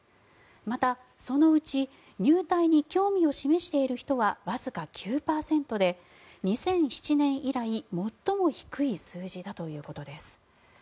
また、そのうち入隊に興味を示している人はわずか９％で２００７年以来最も低い数字だということです。